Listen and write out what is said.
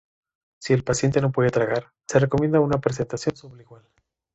Si el paciente no puede tragar, se recomienda una presentación sublingual.